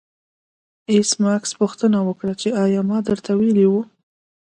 ایس میکس پوښتنه وکړه چې ایا ما درته ویلي وو